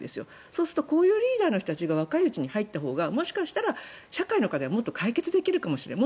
そうするとこういうリーダーが若いうちに入ったほうがもしかしたら社会の課題はもっと解決できるかもしれない。